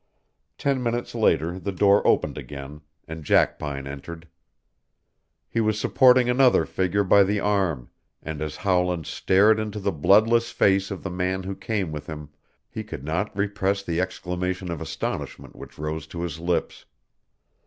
Ten minutes later the door opened again and Jackpine entered. He was supporting another figure by the arm, and as Howland stared into the bloodless face of the man who came with him, he could not repress the exclamation of astonishment which rose to his lips.